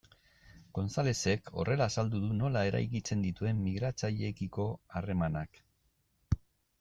Gonzalezek horrela azaldu du nola eraikitzen dituen migratzaileekiko harremanak.